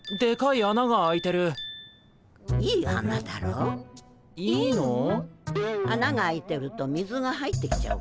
あなが開いてると水が入ってきちゃうからね。